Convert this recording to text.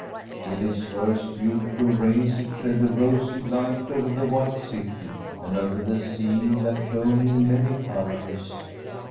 With its first beautiful rays it shed a rosy light over the white city and over the sea that shone in many colours.